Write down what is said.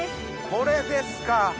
これですか！